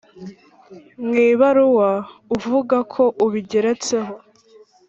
Mu ibaruwa uvuga ko ubigeretseho